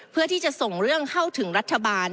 เพื่อที่จะส่งเรื่องเข้าถึงรัฐบาล